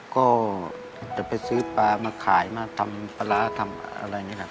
ก็จะไปซื้อปลามาขายมาทำปลาร้าทำอะไรอย่างนี้ครับ